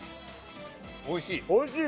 おいしい。